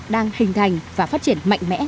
đang hình thành và phát triển mạnh mẽ